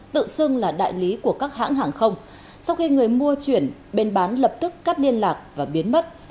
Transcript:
tự xưng là đại lý của các hãng hàng không sau khi người mua chuyển bên bán lập tức cắt liên lạc và biến mất